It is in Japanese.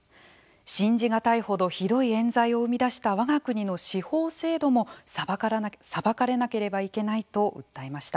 信じがたいほどひどいえん罪を生み出したわが国の司法制度も裁かれなければいけないと訴えました。